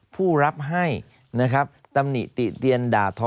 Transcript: ผู้รับให้นะครับตำหนิติเตียนด่าทอ